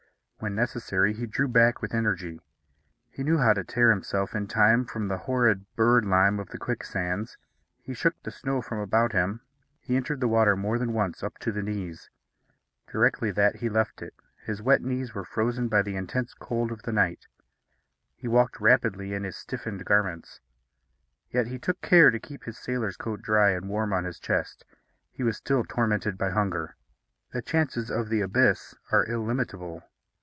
When necessary, he drew back with energy. He knew how to tear himself in time from the horrid bird lime of the quicksands. He shook the snow from about him. He entered the water more than once up to the knees. Directly that he left it, his wet knees were frozen by the intense cold of the night. He walked rapidly in his stiffened garments; yet he took care to keep his sailor's coat dry and warm on his chest. He was still tormented by hunger. The chances of the abyss are illimitable.